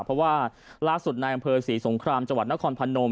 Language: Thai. เพราะว่าล่าสุดในอำเภอศรีสงครามจังหวัดนครพนม